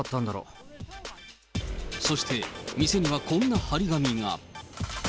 そして、店にはこんな貼り紙が。